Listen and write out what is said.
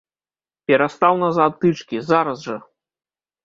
Перастаў назад тычкі, зараз жа!